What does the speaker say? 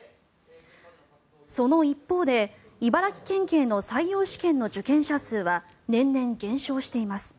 その一方で茨城県警の採用試験の受験者数は年々減少しています。